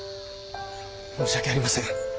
申し訳ありません。